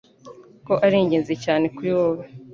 ko ari ingenzi cyane kuri wowe,